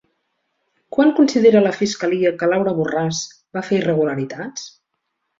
Quan considera la fiscalia que Laura Borràs va fer irregularitats?